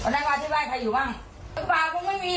มึงแห่งขวาไม่เป็นอ่ะอ่ะมึงแห่งขวาไม่เป็นหรอแห่งขวาไม่เป็นหรอ